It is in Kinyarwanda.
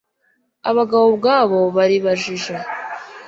Abagabo ubwabo baribajije